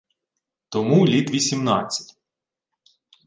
— Тому літ вісімнадцять.